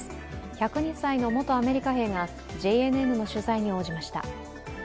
１０２歳の元アメリカ兵がＪＮＮの取材に応じました。